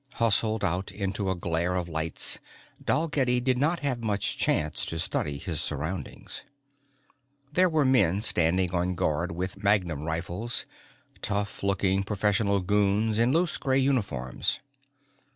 Hustled out into a glare of lights Dalgetty did not have much chance to study his surroundings. There were men standing on guard with magnum rifles, tough looking professional goons in loose gray uniforms.